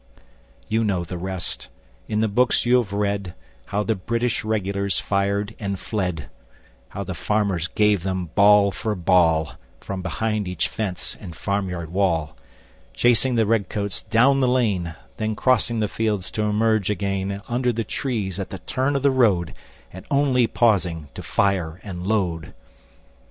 You know the rest. In the books you have read, How the British Regulars fired and fled, ŌĆö How the farmers gave them ball for ball, From behind each fence and farm yard wall, Chasing the red coats down the lane, Then crossing the fields to emerge again Under the trees at the turn of the road, And only pausing to fire and load.